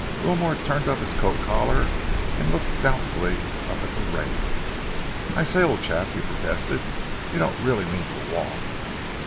Wilmore turned up his coat collar and looked doubtfully up at the rain. "I say, old chap," he protested, "you don't really mean to walk?"